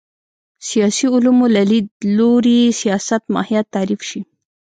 سیاسي علومو له لید لوري سیاست ماهیت تعریف شي